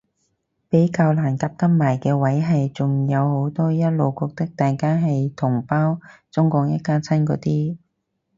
比較難夾得埋嘅位係仲有好多一路覺得大家係同胞中港一家親嗰啲